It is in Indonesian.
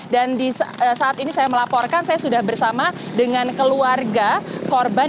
dan saat ini saya melaporkan saya sudah bersama dengan keluarga korban